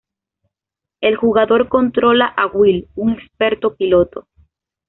El jugador controla a Will, un experto piloto.